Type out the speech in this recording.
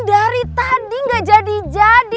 dari tadi gak jadi jadi